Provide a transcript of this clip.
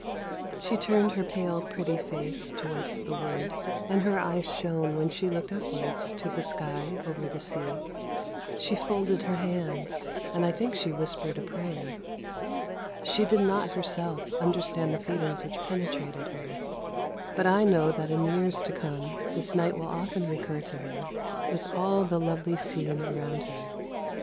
She turned her pale pretty face towards the wood and her eyes shone when she looked upwards to the sky over the sea. She folded her hands and I think she whispered a prayer. She did not herself understand the feelings which penetrated her, but I know that in years to come this night will often recur to her with all the lovely scene around her.